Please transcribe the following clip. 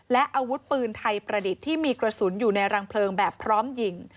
และอาวุธปืนไทยประดิษฐ์ที่มีกระสุนอยู่ในรังเพลิงแบบพร้อมยิง